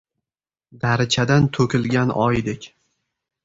… Darichadan to’kilgan oydek.